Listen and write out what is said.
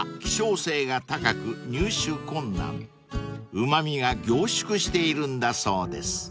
［うま味が凝縮しているんだそうです］